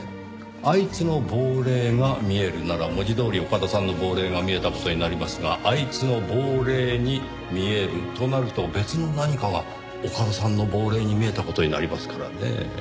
「あいつの亡霊が見える」なら文字どおり岡田さんの亡霊が見えた事になりますが「あいつの亡霊に見える」となると別の何かが岡田さんの亡霊に見えた事になりますからねぇ。